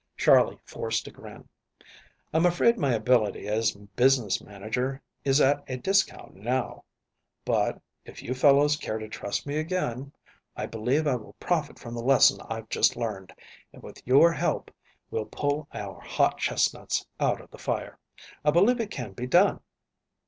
Charley forced a grin. "I'm afraid my ability as business manager is at a discount now, but, if you fellows care to trust me again, I believe I will profit from the lesson I've just learned, and, with your help, will pull our hot chestnuts out of the fire. I believe it can be done.